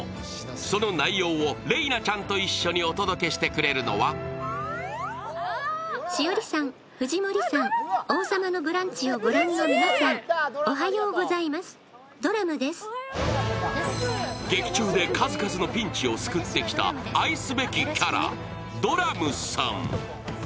その内容を麗菜ちゃんと一緒にお届けしてくれるのは劇中で数々のピンチを救ってきた愛すべきキャラ、ドラムさん。